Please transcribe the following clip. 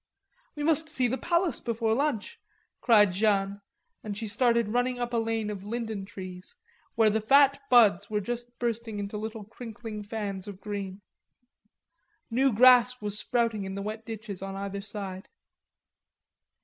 "We must see the palace before lunch," cried Jeanne, and she started running up a lane of linden trees, where the fat buds were just bursting into little crinkling fans of green. New grass was sprouting in the wet ditches on either side.